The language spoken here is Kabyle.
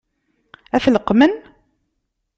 Ad t-leqqmen?